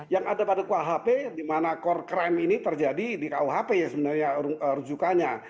yang ada pada kuhp dimana kor crime ini terjadi di kuhp sebenarnya rujukannya